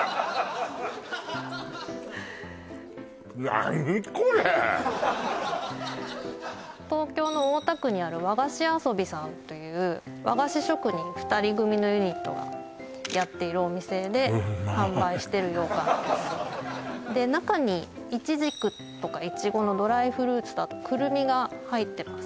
何これ東京の大田区にあるｗａｇａｓｈｉａｓｏｂｉさんという和菓子職人２人組のユニットがやっているお店でうまい販売してる羊羹ですで中にイチジクとかイチゴのドライフルーツとあとクルミが入ってます